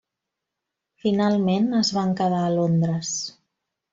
Finalment es van quedar a Londres.